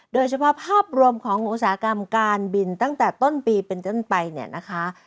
โดยเฉพาะภาพรวมของอุตสาหกรรมการบินตั้งแต่ต้นปีเป็นต้นไปเนี่ยนะคะ